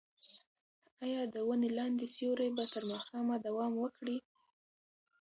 ایا د ونې لاندې سیوری به تر ماښامه دوام وکړي؟